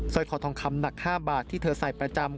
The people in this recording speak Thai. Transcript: ร้อยคอทองคำหนัก๕บาทที่เธอใส่ประจำ